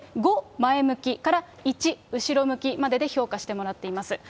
５前向きから、１後ろ向きまでで評価してもらっています。